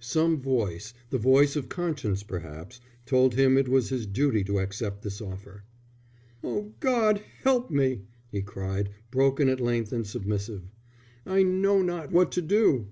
Some voice, the voice of conscience perhaps, told him it was his duty to accept this offer. "O God, help me," he cried, broken at length and submissive. "I know not what to do.